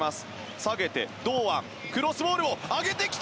下げて、堂安クロスボールを上げてきた。